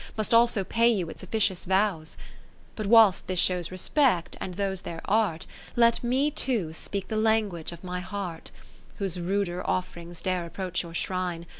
Must also pay you its officious vows. 20 But whilst this shows respect, and those their art. Let me too speak the language of my heart ; Whose ruder ofPrings dare approach your shrine.